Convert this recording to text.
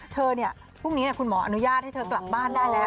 พรุ่งนี้คุณหมออนุญาตให้เธอกลับบ้านได้แล้ว